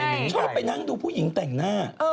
ชอบไปนั่งดูผู้หญิงแต่งหน้า